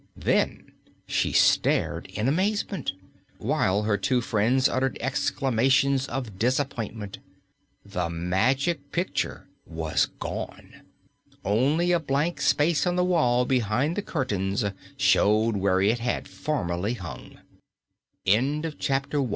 Then she stared in amazement, while her two friends uttered exclamations of disappointment. The Magic Picture was gone. Only a blank space on the wall behind the curtains showed where it had formerly hung. CHAPTER 2 THE TROUBLES OF GLI